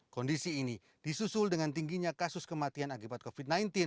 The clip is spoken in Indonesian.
kondisi ini disusul dengan tingginya kasus kematian akibat covid sembilan belas